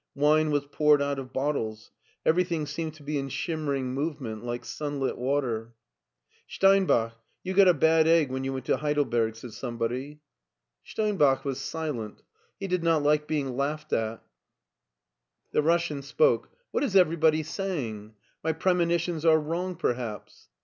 Wine was poured out of bottles ; everything seemed to be in shimmering movement like sunlit water. " Steinbach, you got a bad egg when you went to Heidelberg," said somebody. LEIPSIC 153 Steinbach was silent. He did not like being laughed at The Russian spoke. "What is everybody saying? My premonitions are wrong, perhaps."